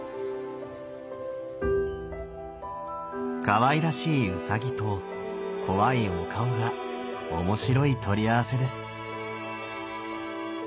かわいらしいうさぎと怖いお顔が面白い取り合わせです。